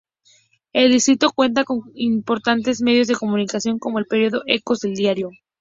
El distrito cuenta con importantes medios de comunicación como el periódico Ecos, El Diario.